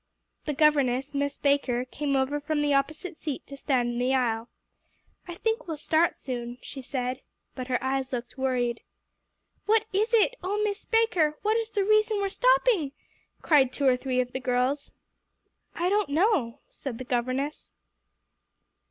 The governess, Miss Baker, came over from the opposite seat to stand in the aisle. "I think we'll start soon," she said. But her eyes looked worried. "What is it oh, Miss Baker, what is the reason we're stopping?" cried two or three of the girls. "I don't know," said the governess.